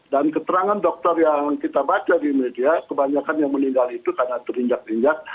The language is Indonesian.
dan keterangan dokter yang kita baca di media kebanyakan yang meninggal itu karena terinjak rinjak